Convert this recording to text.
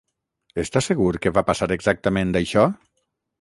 Està segur que va passar exactament això?